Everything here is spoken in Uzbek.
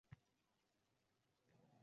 Ana, askarday saf tortib turibdi.